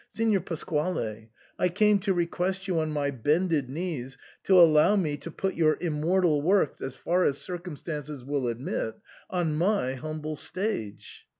Signor Pasquale, I came to request you on my bended knees to allow me to put your immortal works, as far as circumstances will admit, on my humble stage."